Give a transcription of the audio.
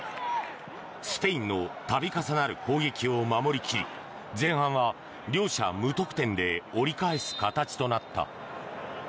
スペインの度重なる攻撃を守り切り前半は両者無得点で折り返す形となった。